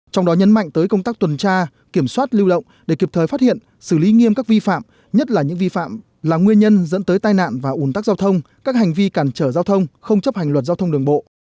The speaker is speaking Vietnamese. trong đó nhấn mạnh tới công tác tuần tra kiểm soát lưu động để kịp thời phát hiện xử lý nghiêm các vi phạm nhất là những vi phạm là nguyên nhân dẫn tới tai nạn và ủn tắc giao thông các hành vi cản trở giao thông không chấp hành luật giao thông đường bộ